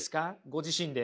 ご自身で。